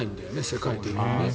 世界的にね。